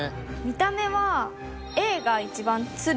見た目は。